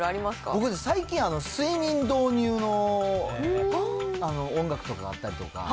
僕ですね、最近、睡眠導入の音楽とかがあったりとか。